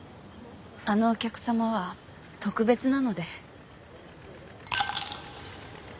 あのお客さまは特別なので。